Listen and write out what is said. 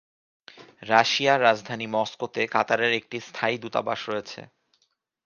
রাশিয়ার রাজধানী মস্কোতে কাতারের একটি স্থায়ী দূতাবাস রয়েছে।